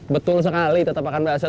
betul sekali tetap pakai basah